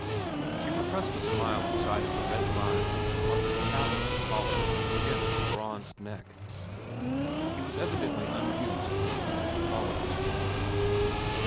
She repressed a smile at sight of the red line that marked the chafe of the collar against the bronzed neck. He was evidently unused to stiff collars.